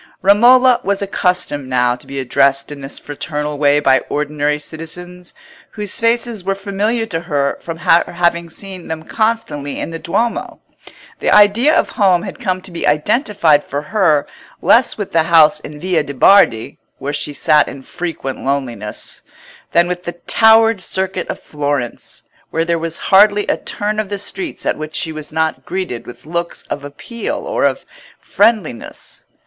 Romola was accustomed now to be addressed in this fraternal way by ordinary citizens, whose faces were familiar to her from her having seen them constantly in the Duomo. The idea of home had come to be identified for her less with the house in the Via de' Bardi, where she sat in frequent loneliness, than with the towered circuit of Florence, where there was hardly a turn of the streets at which she was not greeted with looks of appeal or of friendliness.